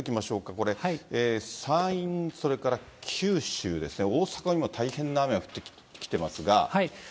これ、山陰、それから九州ですね、大阪にも大変な雨が降ってきていますが。